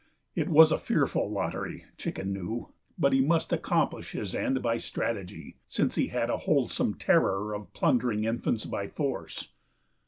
It was a fearful lottery, Chicken knew. But he must accomplish his end by strategy, since he had a wholesome terror of plundering infants by force.